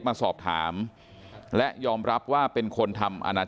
ก้างว่าเหมา